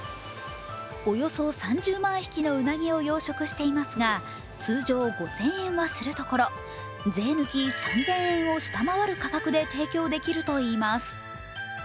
およそ３０万匹のうなぎを養殖していますが、通常５０００円はするところ税抜き３０００円を下回る価格で提供できるといいます。